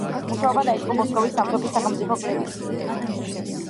მუშაობა დაიწყო მოსკოვის ნავთობის სახელმწიფო კვლევით ინსტიტუტში.